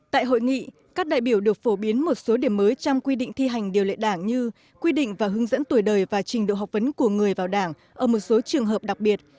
tại hội nghị các đại biểu được phổ biến một số điểm mới trong quy định thi hành điều lệ đảng như quy định và hướng dẫn tuổi đời và trình độ học vấn của người vào đảng ở một số trường hợp đặc biệt